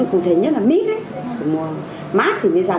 vào mùa mít thì mới dám ăn ví dụ cụ thể nhất là mít ấy mát thì mới dám ăn